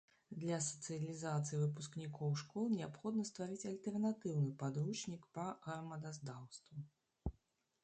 Для сацыялізацыі выпускнікоў школ неабходна стварыць альтэрнатыўны падручнік па грамадазнаўству.